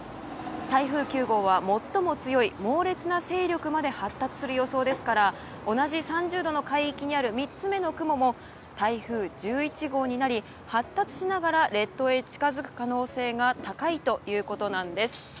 台風９号は最も強い猛烈な勢力まで発達する予想ですから同じ３０度の海域にある３つ目の雲も台風１１号になり、発達しながら列島へ近づく可能性が高いということなんです。